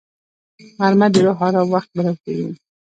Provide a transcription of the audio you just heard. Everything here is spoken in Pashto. غرمه د روح آرام وخت بلل کېږي